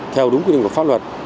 theo đúng quy định của pháp luật